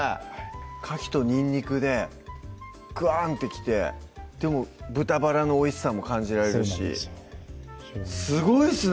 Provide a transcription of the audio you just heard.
かきとにんにくでガンってきてでも豚バラのおいしさも感じられるしすごいっすね